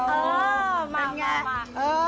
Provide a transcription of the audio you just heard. เออเป็นยังไง